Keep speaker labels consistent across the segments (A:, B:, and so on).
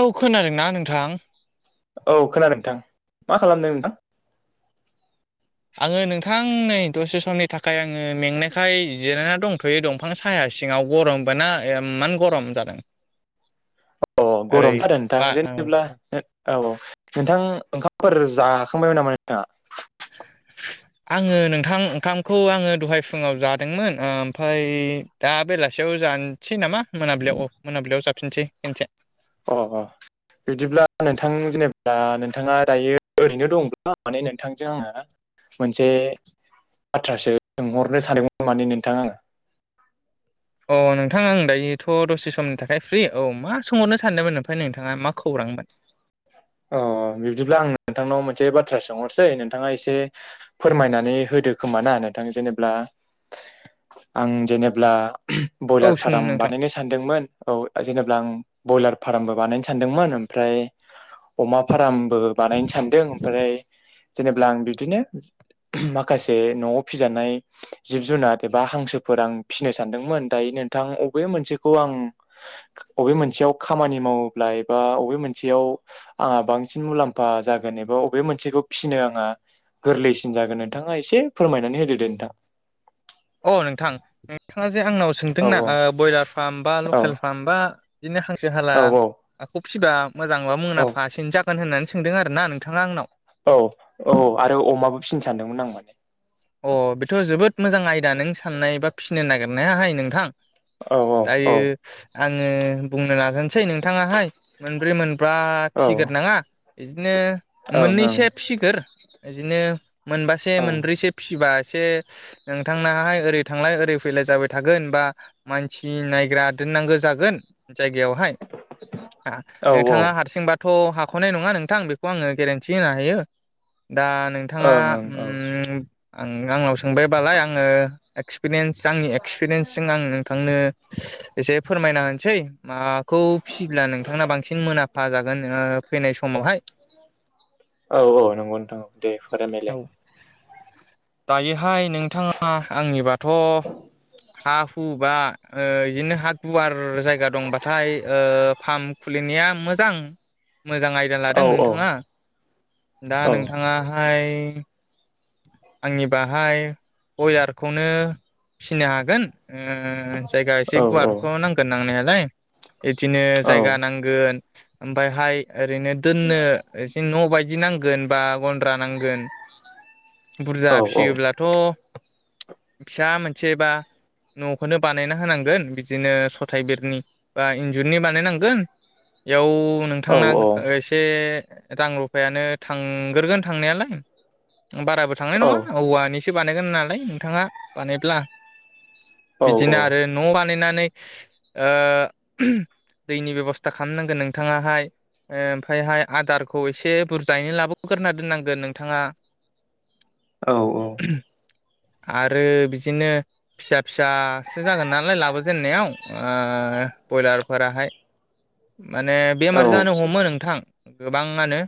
A: औ खोनादोंना नोंथां
B: औ खोनादों नोंथां मा खालामदों नोंथां?
A: आङो नोंथां नै दसे समनि थाखाय आङो मेंनायखाय जिरायना दंथ'यो दं । बिफां साया सिङाव गरमबबो ना इमान गरम जादों
B: अ
A: ओरै
B: गरमथ'आरो नोंथां
A: बा औ
B: जेनेब्ला औ औ नोंथां ओंखामफोर जाखांबायमोन नामा नोंथाङा
A: आङो नोंथां नोंथां ओंखामखौ आङो दहाय फुङाव जादोंमोन ओमफ्राय दा बेलासियाव जानोसै नामा मोनाब्लियाव औ मोनाबिलियाव जाफिनसै खनसे
B: अ अ बिदिब्ला नोंथां जेनेबा नोंथाङा दायो ओरैनो दंब्ला माने नोंथांजों आङो मोनसे बाथ्रासो सोंहरनो सानदोंमोन माने नोंथां आङो
A: अ नोंथां आं दायोथ' दसे समनि थाखाय फ्रि औ मा सोंहरनो सानदोंमोन ओमफ्राय नोंथाङा मा खौरांमोन
B: [inaudible] अ बिब्दिब्ला आं नोंथांनाव मोनसे बाथ्रा सोंहरसै नोंथाङा एसे फोरमायनानै हो होदो खोमा ना नोंथां जेनेब्ला आं जेनेब्ला
A: औ
B: बयलार
A: सों
B: फार्म
A: नोंथां
B: बानायनो सानदोंमोन औ जेनेबा आं बयलार फार्मबो बानायनो सानदोंमोन ओमफ्राय अमा फार्म बो बानायनो सानदों ओमफ्राय जेनेबब्ला आं बिदिनो माखासे न'आव फिजानाय जिब जुनार एबा हांसो फोर फिसिनो सानदोंमोन दायो नोंथां बबे मोनसेखौ आं अबे मोनसेयाव खामानि मावनो मावोब्ला एबा अबे मोनसेयाव आंहा बांसिन मुलाम्फा जागोन एबा अबे मोनसेखौ फिनो आंहा गोरलैसिन जागोन नोंथाङा एसे फोरमायनानै होदो दे नोंथां
A: अ नोंथां नोंथाङा जे आंनाव
B: औ
A: सोंदोंना ब्रयलार फार्म बा
B: औ
A: लकेल फार्म बा बिदिनो हांसो हाला
B: औ
A: हाखौ फिबब्ला मोजांबा
B: औ
A: मुलामफासेनो जाख होननानै सोंदों आरो ना नोंथाङा आंनाव
B: औ औ आरो अमाबो फिनो सानदोंमोन आं माने
A: दा नों साननाय एबा फिसिनो नागिरनाय हाय नोंथां
B: औ औ
A: दायो
B: औ
A: आङो बुंनो नाजानोसै नोंथाङाहाय मोनब्रै मोनबा
B: औ
A: फिसिगोर
B: ओं
A: नङा। बिदिनो
B: ओं
A: मोननैसो फिसिगोर बिदिनो मोनबासे
B: औ
A: मोनब्रैसे फिसिबा एसे ओ नोंथांनाहाय ओरै थांलाय ओरै फैलाय जाबाय थागोन बा मानसि नायग्रा दोननांगो जागोन। जायगायावहाय
B: औ औ
A: नोंथाङा हारसिंबा थ हाखनाय नङा नोंथां बेखौ आङो गेरेन्थि होनो हायो। दा नोंथाङा
B: ओं ओं औ
A: उम आंनाव सोंबायबालाय आङो एक्सपिरियेन्स आंनि एक्सपिरियेन्सजों आं नोंथांनो एसे फोरमायना होनोसै मा खौ फिसियोब्ला नोंथांना बांसिन मोनुलाम्फा जागोन फैनाय समावहाय।
B: औ-औ नंगौ नोंथां दे फोरमायलाय
A: दायोहाय नोंथाङा आंनिबाथ हा हु बा बिदिनो हा गुवार जायगा दंबाथाय ओ पाम्प खुलिनाया मोजां। मोजां आयदा
B: औ
A: लादों
B: औ
A: नोंथाङा दा
B: औ
A: नोंथाङाहाय आंनि बाहाय बयलारखौनो फिसिनो हागोन। ओ जायगा एसे
B: औ
A: गुवारथ नांगोन नांनायालाय। बिदिनो
B: औ
A: जायगा नांगोन ओमफ्रायहाय ओरैनो दोननो एसे न बायदि नांगोन बा गन्द्रा नांगोन। बुरजा
B: औ
A: फिसियोब्लाथ फिसा मोनसे बा न'खोनो बानायना होनांगोन बिदिनो सथायाइ बेरनि बा इन्जुरनि बानायनांगोन। बेयाव
B: औ
A: नोंथांना
B: औ
A: एसे रां रुफायानो थांग्रोगोन थांनायालाय बाराबो थांनाय नङा औवानि बानागोन होननानै नोंथाङा बानायब्ला बिदिनो आरो न' बानायनानै ओ दैनि बेबस्था खालामनांगोन नोंथाङाहाय। ओमफ्रायहाय आदारखौ एसे बुरजायैनो लाबोग्रोना दोननांगोन नोंथाङा।
B: औ-औ
A: आरो बिदिनो फिसा फिसासो जागोन नालाय लाबोजेननायाव ओ ब्रयलार फोराहाय माने बेमार जानो
B: औ
A: हमो नोंथां गोबाङानो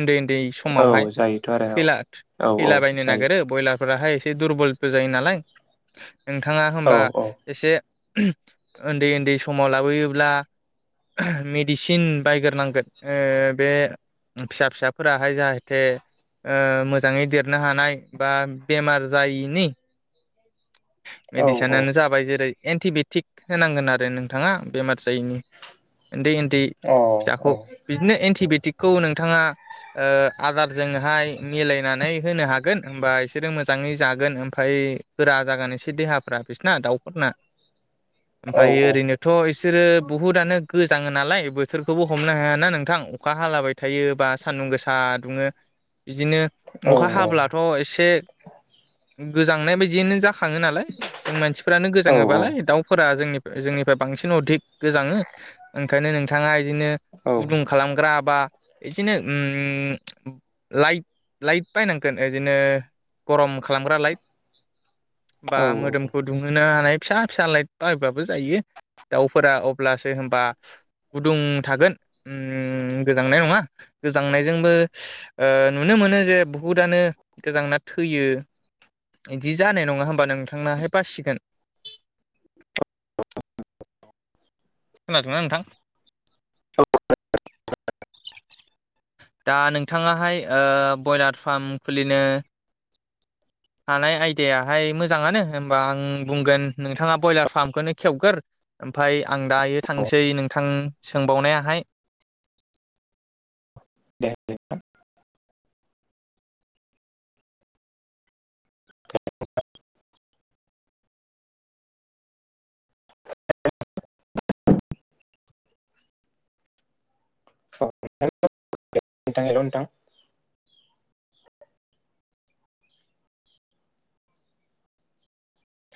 A: उन्दै उन्दै
B: औ
A: समावहाय
B: औ जायोथ' आरो
A: थैला
B: औ औ
A: थैलाबायायनो नागिरो
B: जायो
A: ब्रयलार बयलार फोराहाय एसे दुरबलबो जायो नालाय नोंथाङा होमबा
B: औ
A: एसे उन्दै उन्दै समाव लाबोयोब्ला मेडसिन थिन बायग्रोनांगोन ओ बे फिसा फिसाफोराहाय जाहाथे ओ‌ मो मोजाङै देरनो हानाय बा बेमार जायैनि।
B: औ औ औ
A: मेडिसिनानो जाबाय जेरै एन्टि बेटिक होनांगोन आरो नोंथाङा बेमार जायैनि। उन्दै उन्दै फिसाखौ बिदिनो एन्टि बेटिकखौ नोंथाङा ओ आदारजोंहाय मिलायना नै होनो हागोन होनबा बिसोरो मोजाङै जागोन ओमफ्राय गोरा जागोन एसे देहाफ्रा बिसोरना दाउ [unintelligible]
B: अ औ
A: ओमफ्राय ओरैनोथ' एसे बिसोरो बुहुदानो गोजाङो नालाय बोथोरखौबो हमनो हायाना नोंथां अखा हालाबाय थायो बा सानदुं गोसा दुङो बिदिनो अखा हाब्लाथ' एसे गोजांनाय बायदियानो जा खाङो नालाय जों मानसिफोरानो
B: औ औ
A: गोजाङोबालाय दाउफोरा जोंनि जोंनिफ्राय बांसिन अधिक गोजाङो ओंखायनो नोंथाङा बिदिनो गुदुं खालामग्रा बा बिदिनो उम लायट लायट बायनांगोन इदिनो गरम खालामग्रा लाइट बा मोदोमखौ दुंहोनो हानाय फिसा फिसा लाइट बाहायबाबो जायो। दाउफोरा अब्लासो होमबा गुदुं थागोन । उम गोजांनाय नङा गोजांनायजोंबो ओ नुनो मोनो जे बांसिनानो गोजांना थैयो। इदि जानाय नङा होमबा नोंथांनाहाय बासिगोन।
B: [unintelligible]
A: खोनादोंना नोंथां?
B: औ खोनादों नोंथां खोनादों।
A: दा नोंथाङाहाय ओ बयलार फार्म खुलिनो हानाय आयदायाहाय मोजाङानो होमबा आं बुंगोन नोंथाङा ब्रयलार फार्मखौनो खेवगोर ओमफ्राय आं दायो थांसै नोंथां सोंबावनायाहाय
B: दे [unintelligible] [unintelligible] हेल' नोंथां।